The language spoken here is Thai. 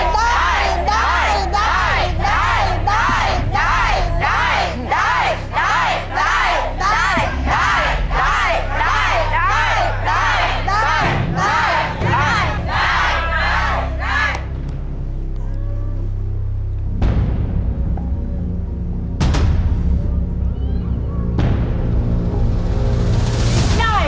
ได้